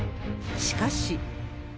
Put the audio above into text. しかし。